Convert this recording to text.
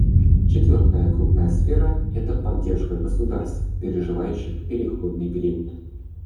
Четвертая крупная сфера — это поддержка государств, переживающих переходный период.